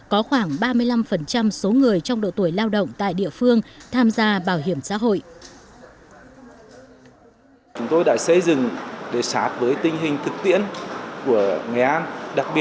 có khoảng ba mươi năm số doanh nghiệp